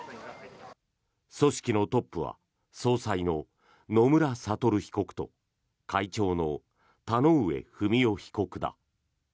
組織のトップは総裁の野村悟被告と会長の田上不美夫被告だ。